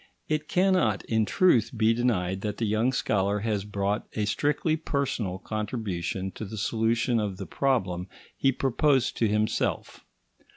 It cannot, in truth, be denied that the young scholar has brought a strictly personal contribution to the solution of the problem he proposed to himself.